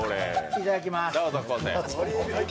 いただきます。